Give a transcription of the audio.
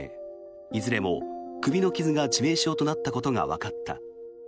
いずれも首の傷が致命傷となったことがわかった。